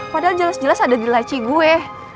padahal jelas jelas ada di laci gue